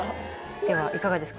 ではいかがですか？